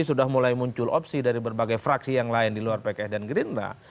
sudah mulai muncul opsi dari berbagai fraksi yang lain di luar pks dan gerindra